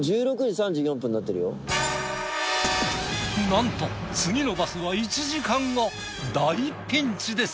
なんと次のバスが１時間後大ピンチです。